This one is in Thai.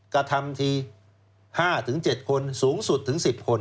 กระทำที๕๗คนสูงสุดถึง๑๐คน